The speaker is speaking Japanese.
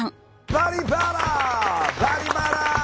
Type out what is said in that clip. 「バリバラ」！